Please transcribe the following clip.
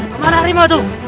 kemana hari mau tuh